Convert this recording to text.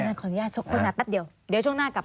อันนั้นขออนุญาตชกคำนาจแป๊บเดียว